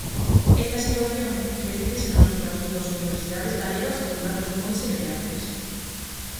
Esta situación repítese nas outras dúas universidades galegas con datos moi semellantes.